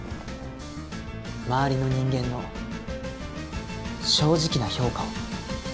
周りの人間の正直な評価を。